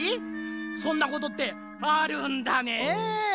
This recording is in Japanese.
そんなことってあるんだねぇ。